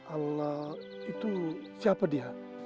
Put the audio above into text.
allah itu siapa dia